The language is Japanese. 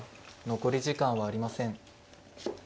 残り時間はありません。